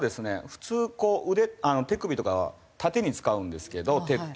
普通こう腕手首とかは縦に使うんですけど手っていうのは。